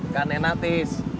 kan enak tis